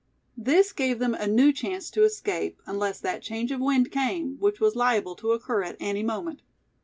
This gave them a new chance to escape, unless that change of wind came, which was liable to occur at any moment.